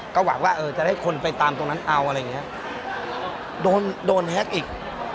ก็หวังว่าเออจะได้คนไปตามตรงนั้นเอาอะไรอย่างเงี้ยโดนโดนแฮ็กอีก